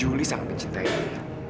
julie sangat mencintai dia